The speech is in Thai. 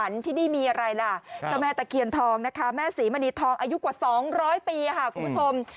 ก็แม่ตะเคียนทองนะคะแม่ศรีมณีทองอายุกว่า๒๐๐ปีค่ะคุณผู้ชม